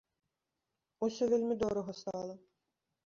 Усё вельмі дорага стала.